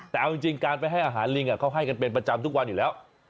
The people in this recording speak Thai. แต่เอาจริงการไปให้อาหารลิงเขาให้กันเป็นประจำทุกวันอยู่แล้ว